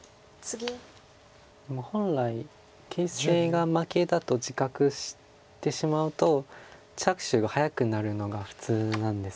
本来形勢が負けだと自覚してしまうと着手が早くなるのが普通なんですけど。